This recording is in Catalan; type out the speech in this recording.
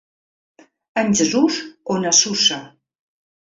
En Jesús o na Susa.